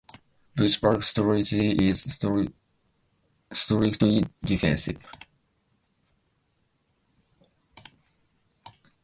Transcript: Both-back strategy is strictly defensive.